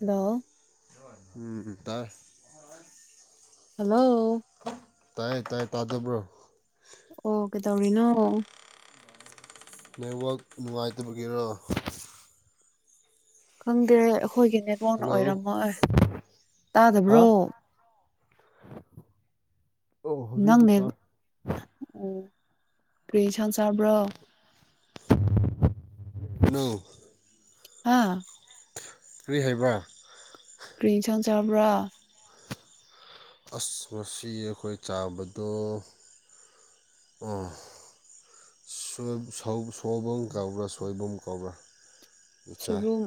hello ꯎꯝꯇ hello ꯇꯥꯏꯌꯦ ꯇꯥꯏꯌꯦ ꯇꯥꯖꯕ꯭ꯔꯣ ꯑꯣ ꯀꯦ ꯇꯧꯔꯤꯅꯣ ꯅꯦꯠꯋꯥꯛ ꯅꯨꯡꯉꯥꯏꯇꯕꯒꯤꯔꯣ ꯈꯪꯗꯦ ꯑꯩꯈꯣꯏꯒꯤ ꯅꯦꯠꯋꯥꯛꯅ ꯍꯜꯂꯣ ꯑꯣꯏꯔꯝꯃꯣꯏ ꯍꯥ ꯇꯥꯗꯕ꯭ꯔꯣ ꯑꯣ ꯍꯧꯖꯤꯛꯇꯤ ꯅꯪꯅꯦ ꯇꯥꯏ ꯑꯣ ꯀꯔꯤ ꯁꯪꯁꯥꯕ꯭ꯔꯣ ꯅꯧ ꯑꯥ ꯀꯔꯤ ꯍꯥꯏꯕ ꯀ꯭ꯔꯤꯁꯟ ꯆꯕ꯭ꯔꯥ ꯑꯁ ꯉꯁꯤ ꯑꯩꯈꯣꯏ ꯆꯥꯕꯗꯣ ꯑ ꯁ ꯁ ꯁꯣꯕꯝ ꯀꯧꯕ꯭ꯔꯥ ꯁꯣꯏꯕꯨꯝ ꯀꯧꯕ꯭ꯔꯥ ꯆꯥꯏ ꯁꯣꯏꯕꯨꯝ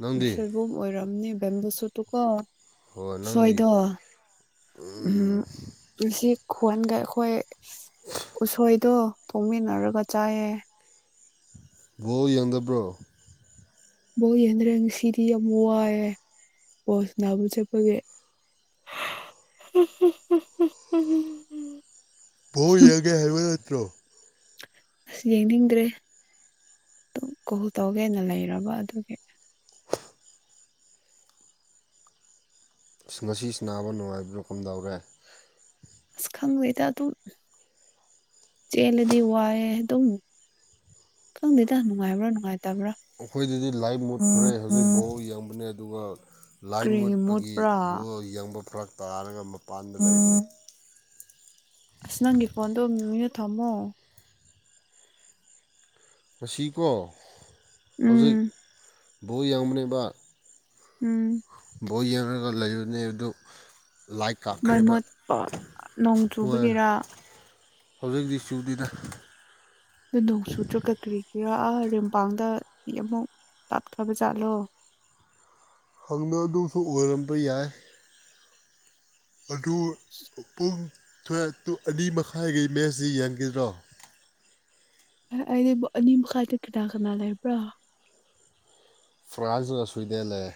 ꯅꯪꯗꯤ ꯁꯣꯏꯕꯨꯝ ꯑꯣꯏꯔꯝꯅꯤ ꯕꯦꯝꯕꯨ ꯁꯠꯇꯨꯀꯣ ꯍꯣꯏ ꯅꯪꯗꯤ ꯁꯣꯏꯗ ꯎꯝ ꯈꯣꯟꯒ ꯑꯩꯈꯣꯏ ꯎꯁꯣꯏꯗꯣ ꯇꯣꯡꯃꯤꯟꯅꯔꯒ ꯆꯥꯏꯌꯦ ꯚꯣ ꯌꯗꯕ꯭ꯔꯣ ꯕꯣ ꯌꯦꯟꯗ꯭ꯔꯦ ꯉꯁꯤꯗꯤ ꯌꯥꯝ ꯋꯥꯏꯑꯦ ꯕꯁ ꯅꯥꯕꯨ ꯆꯠꯄꯒꯦ ꯎꯝ ꯌꯥꯡꯒꯦ ꯍꯥꯏ ꯅꯠꯇ꯭ꯔꯣ ꯑꯁ ꯌꯦꯡꯅꯤꯡꯗ꯭ꯔꯦ ꯑꯗꯨꯝ ꯀꯣꯜ ꯇꯧꯒꯦꯅ ꯂꯩꯔꯕ ꯑꯗꯨꯒꯤ ꯑ ꯃꯁꯤꯁꯤ ꯅꯥꯕ ꯅꯨꯡꯉꯥꯏꯕ꯭ꯔ ꯀꯝꯗꯧꯔꯦ ꯈꯪꯉꯨꯦꯗ ꯑꯗꯨꯝ ꯆꯦꯜꯂꯗꯤ ꯋꯥꯏꯑꯦ ꯑꯗꯨꯝ ꯈꯪꯗꯦꯗ ꯅꯨꯡꯉꯥꯏꯕ꯭ꯔꯥ ꯅꯨꯡꯉꯥꯏꯇꯕ꯭ꯔꯥ ꯑꯩꯈꯣꯏꯗꯗꯤ ꯂꯥꯏꯚ ꯃꯨꯠ ꯈꯔꯦ ꯍꯧꯖꯤꯛꯐꯥꯎ ꯌꯦꯡꯕꯅꯦ ꯑꯗꯨꯒ ꯂꯥꯏ ꯀꯔꯤꯒꯤ ꯃꯨꯠꯄ꯭ꯔꯥ ꯃꯨꯠꯄꯒꯤꯕꯨ ꯌꯦꯡꯕ ꯐꯔꯛ ꯇꯥꯔꯒ ꯃꯄꯥꯟꯗ ꯂꯩ ꯑꯁ ꯅꯪꯒꯤ ꯐꯣꯟꯗꯣ ꯃꯤꯅ ꯊꯝꯃꯣ ꯉꯁꯤꯀꯣ ꯎꯝ ꯍꯧꯖꯤꯛ ꯕꯣ ꯌꯦꯡꯕꯅꯦꯕ ꯎꯝ ꯕꯣ ꯌꯦꯡꯂꯡꯉꯒ ꯂꯩꯕꯅꯤ ꯑꯗꯨ ꯂꯥꯏ ꯃꯩ ꯀꯥꯞꯈ꯭ꯔꯤꯕ ꯃꯨꯠꯄ ꯅꯣꯡ ꯍꯧꯖꯤꯛ ꯆꯨꯕꯒꯤꯔ ꯍꯧꯗꯤꯁꯨꯨꯛꯇꯤꯗ ꯅ ꯅꯣꯡ ꯁꯨꯗ꯭ꯔꯣ ꯀꯀ꯭ꯔꯤ ꯏꯔꯥ ꯔꯤꯨꯝꯄꯥꯡꯗ ꯑꯃꯨꯛ ꯇꯞꯈ꯭ꯔꯕꯖꯥꯠꯂꯣ ꯍꯪꯅꯗꯨꯁꯨ ꯑꯣꯏꯔꯝꯕ ꯌꯥꯏ ꯑꯗꯨ ꯄꯨꯡ ꯊ ꯑꯅꯤ ꯃꯈꯥꯏꯒꯤ ꯃꯦꯁꯁꯤ ꯌꯦꯟꯒꯗ꯭ꯔꯣ ꯑꯗꯤ ꯑꯅꯤꯝ ꯈꯥꯏꯇ ꯀꯅꯥ ꯀꯅꯥ ꯂꯩꯦ ꯄꯨ꯭ꯔꯥ ꯐ꯭ꯔꯥꯟꯁ ꯑꯁꯕꯤꯗ ꯂꯩ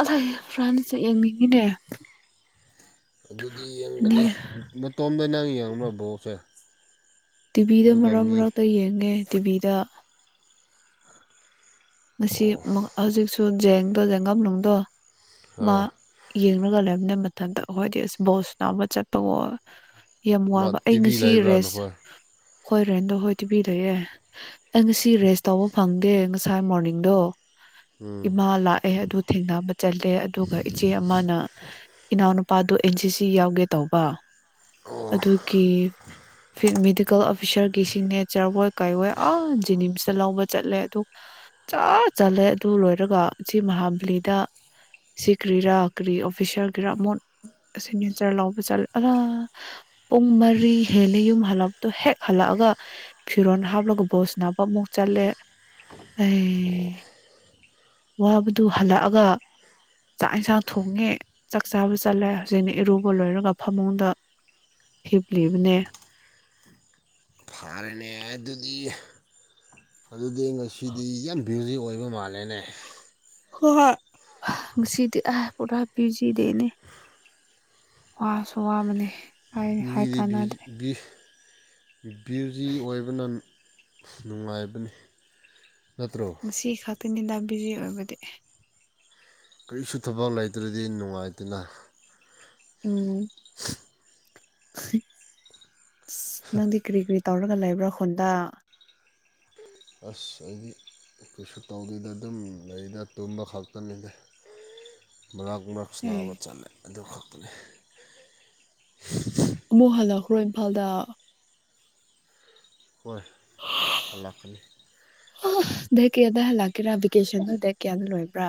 ꯑ ꯐ꯭ꯔꯥꯟ ꯌꯦꯡꯅꯤꯡꯉꯤꯅꯦ ꯑꯗꯨꯗꯤ ꯌꯦꯡꯒꯅꯤ ꯃꯇꯣꯝꯗ ꯅꯪ ꯌꯦꯡꯕ ꯕꯣꯛꯁꯦ ꯇꯤꯚꯤꯗ ꯃꯔꯛ ꯃꯔꯛꯇ ꯌꯦꯡꯉꯦ ꯇꯤꯚꯤꯗ ꯉ ꯍꯧꯖꯤꯛꯁꯨ ꯖꯦꯡꯗꯣ ꯖꯦꯡꯒꯝꯅꯨꯡꯗꯣ ꯃꯥ ꯑꯥ ꯌꯦꯡ ꯒ ꯂꯩꯕꯅꯦ ꯃꯇꯝꯊꯗ ꯑꯩꯈꯣꯏꯗꯤ ꯑꯁ ꯕꯣꯁ ꯅꯥ ꯑꯃ ꯆꯠꯄꯒꯣ ꯌꯥꯝ ꯃꯥ ꯋꯥꯕ ꯑꯩ ꯇꯤꯚꯤ ꯉꯁꯤ ꯂꯩꯕ꯭ꯔꯥ ꯔꯦꯁ ꯅꯈꯣꯏ ꯍꯣꯏ ꯔꯦꯟꯗꯣ ꯍꯣꯏ ꯊꯤꯕꯤꯗꯑꯦ ꯑꯩ ꯉꯁꯤ ꯔꯦꯁ ꯇꯧꯕ ꯐꯪꯗꯦ ꯉꯁꯥꯏ ꯃꯣꯔꯅꯤꯡꯗꯣ [unintelligible] ꯏꯃꯥ ꯂꯥꯛꯑꯦ ꯑꯗꯨ ꯊꯦꯡꯅꯕ ꯆꯜꯂꯦ ꯑꯗꯨꯒ ꯏꯆꯦ ꯑꯃꯅ ꯏꯅꯥꯎꯅꯨ ꯄꯥꯗꯨꯣ ꯑꯦꯟ ꯁꯤ ꯁꯤ ꯌꯥꯎꯒꯦ ꯇꯧꯕ ꯑꯣ ꯑꯗꯨꯒꯤ ꯃꯦꯗꯤꯀꯦꯜ ꯑꯣꯐꯤꯁꯔꯒꯤ ꯁꯤꯒꯅꯦꯆꯔ ꯍꯣꯏ ꯀꯥꯏꯋꯣꯏ ꯑ ꯖꯤꯅꯤꯝꯁꯇ ꯂꯧꯕ ꯆꯠꯂꯦ ꯑꯗꯨ ꯆ ꯆꯠꯂꯦ ꯑꯗꯨ ꯂꯣꯏꯔꯒ ꯎꯆ ꯃꯍꯥꯕꯂꯤꯗ ꯁꯤ ꯀ꯭ꯔꯤꯔꯥ ꯀ꯭ꯔꯤ ꯑꯣꯐꯤꯁꯥꯔꯒꯤꯔꯥ ꯃꯣꯟ ꯁꯤꯅꯦꯆꯔ ꯂꯧꯕ ꯆꯠꯂ ꯑ ꯄꯨꯡ ꯃꯔꯤ ꯍꯦꯂ ꯌꯨꯝ ꯍꯜꯂꯛꯄꯗꯣ ꯍꯦꯛ ꯍꯜꯂꯛ ꯍꯥꯑꯒ ꯐꯤꯔꯣꯟꯜ ꯍꯥꯞꯂꯒ ꯕꯣꯁ ꯅꯥꯅꯕ ꯑꯃꯨꯛ ꯆꯠꯂꯦ ꯑꯩ ꯋꯥꯕꯗꯨ ꯍꯜꯂꯛꯑꯒ ꯆꯥꯛ ꯏꯟꯁꯥꯡ ꯊꯣꯡꯉꯦ ꯆꯥꯛ ꯆꯥꯕ ꯆꯠꯂꯦ ꯍꯧꯖꯤꯛꯅ ꯏꯔꯨꯕ ꯂꯣꯏꯔꯒ ꯐꯃꯨꯡꯗ ꯍꯤꯞꯂꯤꯞꯅꯦ ꯁꯥꯔꯅꯦ ꯑꯗꯨꯗꯤ ꯑꯗꯨꯗꯤ ꯉꯁꯤꯗꯤ ꯌꯥꯝ ꯕ꯭ꯌꯨꯖꯤꯛ ꯑꯣꯏꯕ ꯃꯥꯜꯂꯦꯅꯦ ꯍ ꯍꯥ ꯉꯁꯤꯗꯤ ꯑ ꯄꯨꯔꯥ ꯐꯖꯤ ꯗꯦꯅꯦ ꯋꯥꯁꯨ ꯋꯥꯕꯅꯦ ꯑꯩ ꯍꯥꯏ ꯃꯤꯗꯤ ꯀꯥꯟꯅꯗ꯭ꯔꯦ ꯕ꯭ꯌꯨꯖꯤ ꯑꯣꯏꯕꯅ ꯅꯨꯡꯉꯥꯏꯕꯅꯤ ꯅꯠꯇ꯭ꯔꯣ ꯉꯁꯤ ꯈꯛꯇꯅꯤꯗ ꯕꯤꯖꯤ ꯑꯣꯏꯕꯗꯤ ꯀꯔꯤꯁꯨ ꯊꯕꯛ ꯂꯩꯇ꯭ꯔꯗꯤ ꯅꯨꯡꯉꯥꯏꯇꯅ ꯎꯝ ꯑꯁ ꯅꯪꯗꯤ ꯀꯔꯤ ꯀꯔꯤ ꯇꯧꯔꯒ ꯂꯩꯕ꯭ꯔꯥ ꯈꯨꯣꯟꯗ ꯑꯁ ꯑꯩꯗꯤ ꯀꯩꯁꯨ ꯇꯧꯗꯣꯏꯗ ꯑꯗꯨꯝ ꯂꯩꯗ ꯇꯨꯝꯕ ꯈꯛꯇꯅꯤꯗ ꯃꯔꯛ ꯑꯦ ꯃꯔꯛꯁꯅꯥꯕ ꯆꯠꯂꯦ ꯑꯗꯨ ꯈꯛꯇꯅꯤ ꯑꯃꯨꯛ ꯍꯜꯂꯛꯈ꯭ꯔꯣ ꯏꯝꯐꯥꯜꯗ ꯍꯣꯏ ꯂꯥꯛꯀꯅꯤ ꯗꯦ ꯀꯌꯥꯗ ꯍꯜꯂꯥꯛꯀꯦꯔꯥ ꯚꯦꯀꯦꯁꯟꯗꯣ ꯗ ꯀꯌꯥꯗ ꯂꯣꯏꯕ꯭ꯔꯥ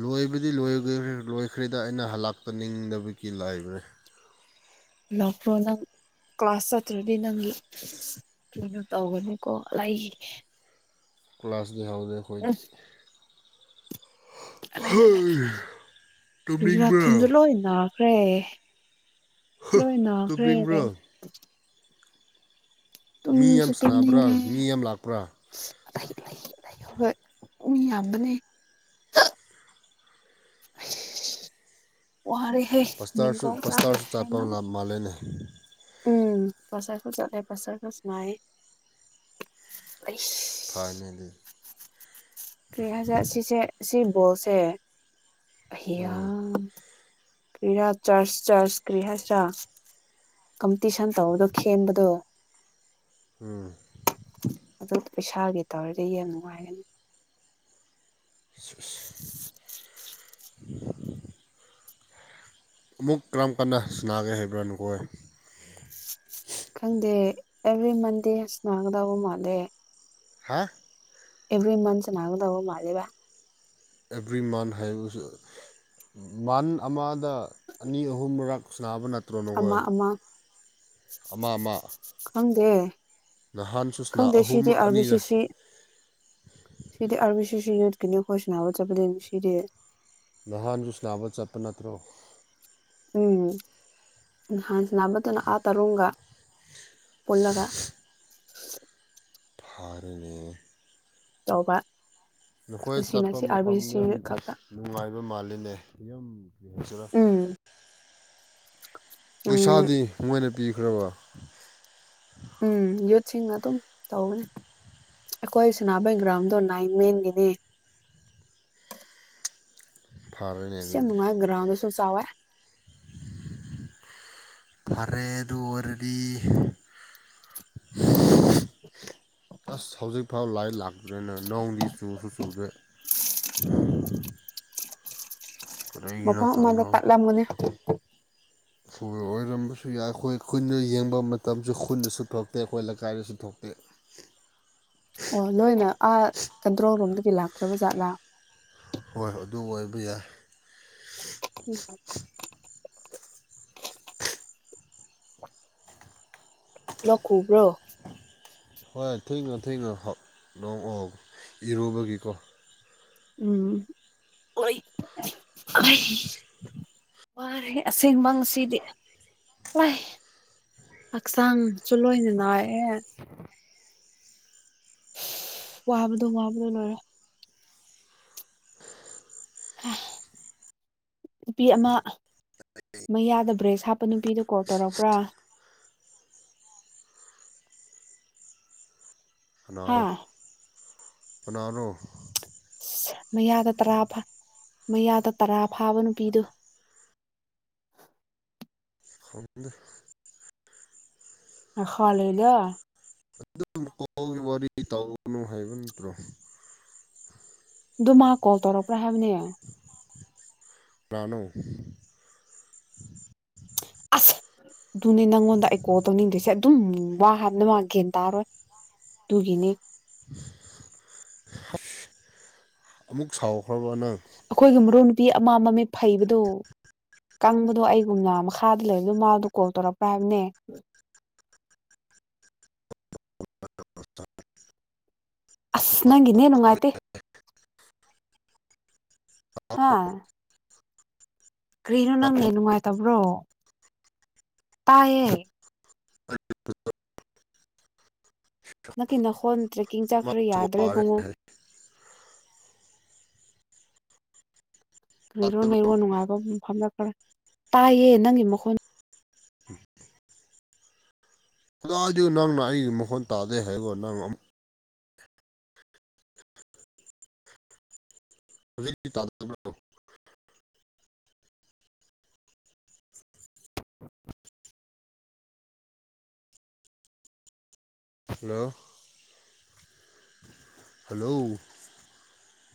ꯂꯣꯏꯕꯗꯤ ꯂ ꯂꯣꯏꯈ꯭ꯔꯦꯗ ꯑꯩꯅ ꯍꯜꯂꯥꯛꯄꯅꯤꯡꯗꯕꯒꯤ ꯂꯥꯏꯕꯅꯤ ꯂꯥꯛꯎꯟ ꯀ꯭ꯂꯥꯁ ꯆꯠꯇ꯭ꯔꯗꯤ ꯅꯪꯒꯤ ꯀꯩꯅꯣ ꯇꯧꯒꯅꯤꯀꯣ ꯑꯩꯒꯤ ꯀ꯭ꯂ ꯀ꯭ꯂꯥꯁꯒꯤ ꯍꯥꯎꯗ ꯑꯩꯈ ꯔꯥꯊꯨꯟꯁꯨ ꯇꯨꯝꯅꯤꯡꯕ꯭ꯔꯣ ꯂꯣꯏ ꯅꯥꯈ꯭ꯔꯦ ꯂꯣꯏ ꯅꯥꯈ꯭ꯔꯦ ꯇꯨꯝꯅꯤꯡꯕ꯭ꯔꯣ ꯃꯤ ꯌꯥꯝ ꯁꯅꯥꯕ꯭ꯔꯥ ꯇꯁꯨꯇꯅꯤꯉꯣꯏ ꯃꯤ ꯌꯥꯝ ꯂꯥꯛꯄ꯭ꯔꯥ ꯃꯤ ꯌꯥꯝꯌꯥꯝꯕꯅꯦ ꯑꯣꯔꯔꯤ ꯍꯩ ꯄꯁꯇꯥꯔꯁꯨ ꯃꯦꯡꯒꯣꯟ ꯄꯁꯇꯥꯔꯁꯨ ꯆꯠꯄ ꯇꯔꯥꯏꯅ ꯃꯥꯜꯂꯦꯅꯦ ꯎꯝ ꯄꯁꯔꯒ ꯆꯂꯦ ꯄꯁꯔꯒꯁ ꯃꯥꯥꯏ ꯐꯥꯏꯅꯦꯜꯂꯤ ꯀꯔꯤꯍꯖꯠ ꯁꯤꯁꯦ ꯁꯤ ꯕꯣꯜꯁꯦ ꯑꯤꯌꯥ ꯀ꯭ꯔꯤꯌꯥ ꯆꯔꯆ ꯆꯔꯆ ꯀ꯭ꯔꯤꯍ ꯁ ꯀꯝꯄꯤꯇꯤꯁꯟ ꯇꯧꯔꯗꯣ ꯈꯦꯟꯕꯗꯣ ꯑꯗꯨ ꯄꯩꯁꯥꯒꯤ ꯇꯧꯔꯗꯤ ꯌꯥꯝ ꯅꯨꯡꯉꯥꯏꯒꯅꯤ ꯑꯃꯨꯛ ꯀꯔꯝ ꯀꯟꯅ ꯁꯅꯥꯒꯦ ꯍꯥꯏꯕ꯭ꯔꯥꯅꯨ ꯀꯣꯏ ꯈꯪꯗꯦ ꯑꯦꯕ꯭ꯔꯤ ꯃꯟꯗꯦꯁꯅꯥꯒꯗꯕ ꯃꯥꯟꯗꯦ ꯍꯥ ꯑꯦꯕ꯭ꯔꯤ ꯃꯟꯁꯅꯅꯥꯒꯗꯕ ꯃꯥꯦꯕ ꯑꯦꯕ꯭ꯔꯤ ꯃꯟꯊ ꯍꯥꯏ ꯟ ꯑꯃꯗ ꯑꯅꯤ ꯑꯍꯨꯝ ꯃꯔꯛ ꯁꯕ ꯅ ꯑꯃ ꯑꯃ ꯑꯃ ꯑꯃ ꯈꯪꯗꯦ ꯅꯍꯥꯟꯁꯨ ꯁꯅꯥ ꯈꯪꯗꯦ ꯑꯍꯨꯝ ꯁꯤꯗꯤ ꯑꯔꯕꯤ ꯑꯅꯤꯔ ꯁꯤꯗꯤ ꯑꯔꯕꯤ ꯁꯤꯦꯁꯔꯤ ꯅꯦ ꯈꯣꯏꯁꯅꯥꯅꯕ ꯆꯠꯄꯗꯤ ꯅꯨꯡꯁꯤꯗꯤꯦ ꯅꯍꯥꯟꯁꯨꯁ ꯅꯥꯕ ꯆꯠꯄ ꯅꯠꯇ꯭ꯔꯣ ꯎꯝꯍꯥꯟꯁꯤ ꯑꯃꯗꯨꯅ ꯑꯥ ꯇꯔꯨꯨꯝꯒ ꯄꯨꯜꯂꯒꯥ ꯐꯥꯔꯦꯅꯦ ꯇꯧꯕ ꯅꯈꯣꯏ ꯉꯁꯤꯅ ꯆꯠꯄ ꯁꯤ ꯑꯥꯔ ꯃꯐꯝ ꯕꯤ ꯁꯤ ꯌꯥꯝ ꯈꯛꯇ ꯅꯨꯡꯉꯥꯏꯕ ꯃꯥꯜꯂꯤꯅꯦ ꯌꯥꯝ ꯁꯤꯅ ꯎꯝ ꯎꯝ ꯄꯩꯁꯥꯗꯤ ꯃꯣꯏꯅ ꯄꯤꯈ꯭ꯔꯕ ꯁꯤꯡꯅ ꯑꯗꯨꯝ ꯇꯧꯕꯅꯤ ꯑꯩꯈꯣꯏ ꯁꯅꯥꯃꯍꯤ ꯒ꯭ꯔꯥꯎꯟꯗꯣ ꯅꯥꯏꯟ ꯃꯦꯟꯒꯤꯗꯤ ꯐꯔꯦꯅꯦ ꯁ ꯌꯥꯝ ꯑꯗꯨꯅ ꯅꯨꯉꯏ ꯒ꯭ꯔꯥꯎꯒꯁꯨ ꯆꯥꯎ ꯋꯦ ꯐꯔꯦ ꯑꯗꯨꯑꯣꯏꯔꯗꯤ ꯑꯁ ꯍꯧꯖꯤꯛ ꯐꯥꯎ ꯂꯥꯏꯔꯤ ꯂꯥꯛꯇ꯭ꯔꯦꯅ ꯅꯣꯡꯗꯤ ꯆꯨꯁꯨ ꯆꯨꯗꯦ [unintelligible] ꯀꯔꯤꯒꯤꯅꯣ ꯃꯐꯝ ꯑꯃꯗ ꯈꯪꯗꯦ ꯇꯠꯂꯝꯃꯅꯦ ꯁꯨ ꯌꯥꯏ ꯑꯩꯈꯣꯏ ꯈꯨꯟꯅ ꯌꯦꯡꯕ ꯃꯇꯝꯁꯨ ꯈꯨꯟꯗꯁꯨ ꯊꯣꯛꯇꯦ ꯑꯩꯈꯣꯏ ꯂꯩꯀꯥꯏꯗꯁꯨ ꯊꯣꯛꯇꯦ ꯑꯣ ꯂꯣꯏꯅ ꯑꯥ ꯀꯟꯇ꯭ꯔꯣꯜ ꯔꯨꯝꯗꯒꯤ ꯂꯥꯛꯇ꯭ꯔꯕ ꯖꯥꯠꯂꯥ ꯍꯣꯏꯣꯏ ꯑꯗꯨ ꯑꯣꯏꯕ ꯌꯥꯏ [unintelligible] ꯂꯛꯈꯨꯕ꯭ꯔꯣ ꯍꯣꯏ ꯊꯨꯏꯉꯣ ꯊꯨꯏꯉꯣ ꯈ ꯅꯣꯡ ꯑꯣ ꯏꯔꯨꯕꯒꯤꯀꯣ ꯎꯝ ꯑꯣꯏ [unintelligible] ꯋꯥꯔꯦ ꯑꯁꯦꯡꯕꯁꯤꯗꯤ ꯂꯥꯏ ꯍꯛꯆꯥꯡꯁꯨꯂꯣꯏꯅꯤꯅ ꯑꯦ ꯋꯥꯕꯗꯣ ꯋꯥꯕꯗꯣ ꯂꯣꯏꯔꯦ ꯅꯨꯄꯤ ꯑꯃ ꯃꯌꯥꯗ ꯕ꯭ꯔꯦꯁ ꯍꯥꯞꯄ ꯅꯨꯄꯤꯗꯨ ꯀꯣꯜ ꯇꯧꯔꯛꯄ꯭ꯔꯥ ꯍꯥ ꯑꯣ ꯀꯅꯥꯅꯣ ꯑꯁ ꯃꯌꯥꯗ ꯇꯔꯥ ꯃꯌꯥꯗ ꯇꯔꯥ ꯐꯥꯕ ꯅꯨꯄꯤꯗꯨ [inaudible] ꯈꯪꯗꯦ ꯑ ꯍ ꯂꯩꯗ ꯑꯗꯨꯝ ꯀꯣꯜꯒꯤ ꯋꯥꯔꯤ ꯇꯧꯒꯅꯨ ꯍꯥꯏꯕ ꯅꯠꯇ꯭ꯔꯣ ꯑꯗꯨ ꯃꯥ ꯀꯣꯜ ꯇꯧꯔꯛꯄ꯭ꯔꯥ ꯍꯥꯏꯕꯅꯦ ꯄ꯭ꯂꯥꯅꯣ ꯑꯁ ꯑꯗꯨꯅꯦ ꯅꯪꯉꯣꯟꯗ ꯑꯩꯀꯣ ꯇꯧꯅꯤꯡꯗꯣꯏꯁꯦ ꯑꯗꯨꯝ ꯋꯥ ꯍꯥꯕꯅ ꯃꯥ ꯒꯦꯟ ꯇꯥꯔꯣꯏ ꯇꯨꯒꯤꯅꯤ ꯑꯃꯨꯛ ꯁꯥꯎꯈ꯭ꯔꯕ ꯅꯪ ꯑꯩꯈꯣꯏꯒꯤ ꯃꯔꯨꯞ ꯅꯨꯄꯤ ꯑꯃ ꯃꯃꯤꯠ ꯐꯩꯕꯗꯣ ꯀꯪꯕꯗꯣ ꯑꯩꯒꯨꯝꯅ ꯃꯈꯥꯗ ꯂꯩꯕꯗꯨ ꯃꯥꯗꯣ ꯀꯣꯜ ꯇꯧꯔꯛꯄ꯭ꯔꯥ ꯍꯥꯏꯕꯅꯦ [inaudible] ꯑꯁ ꯅꯪꯒꯤꯅꯦ ꯅꯨꯡꯉꯥꯏꯇꯦ ꯍꯥꯥ ꯀꯔꯤꯅꯣ ꯅꯪ ꯅꯦꯠ ꯅꯨꯡꯉꯥꯏ ꯇꯕ꯭ꯔꯣ ꯇꯥꯏꯌꯦ ꯅꯪꯀꯤ ꯅꯈꯣꯟ ꯇ꯭ꯔꯦꯛꯀꯤꯡ ꯆꯠꯈ꯭ꯔꯦ ꯃꯥꯁꯨ ꯋꯥꯔꯦ ꯌꯥꯗ꯭ꯔꯦꯕꯨꯡꯉꯣ ꯍꯥꯏ ꯂꯩꯔꯣ ꯅꯦꯔꯣ ꯅꯨꯡꯉꯥꯏꯕ ꯐꯝꯂꯛꯈ꯭ꯔꯦ ꯇꯥꯏꯌꯦ ꯅꯪꯒꯤ ꯃꯈꯣꯟ ꯍꯗꯥ ꯑꯗꯨ ꯅꯪꯅ ꯑꯩꯒꯤ ꯃꯈꯣꯟ ꯇꯥꯗꯦ ꯍꯥꯏꯕꯣ ꯅꯪ ꯑꯃꯨꯛ ꯍꯧꯖꯤꯛ [unintelligible] ꯍꯂꯣ ꯍꯂꯣ